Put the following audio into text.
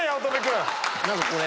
何かこれ。